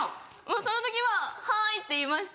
その時は「はい」って言いました。